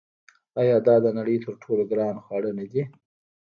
آیا دا د نړۍ تر ټولو ګران خواړه نه دي؟